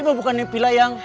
ibu bukan nepila yang